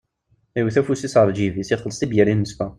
Iwwet afus-is ɣer lǧib-is, ixelles tibyirin neswa.